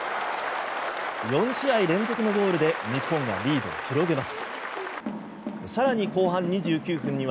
４試合連続のゴールで日本がリードを広げます。